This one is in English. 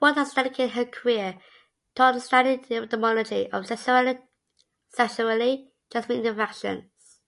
Ward has dedicated her career to understanding the epidemiology of sexually transmitted infections.